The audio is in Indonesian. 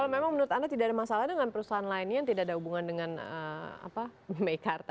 kalau memang menurut anda tidak ada masalah dengan perusahaan lainnya yang tidak ada hubungan dengan meikarta